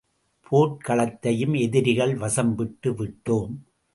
போர்க் களத்தையும் எதிரிகள் வசம் விட்டு விட்டோம்.